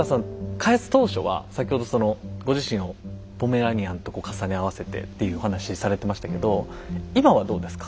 開発当初は先ほどそのご自身をポメラニアンと重ね合わせてっていうお話されてましたけど今はどうですか？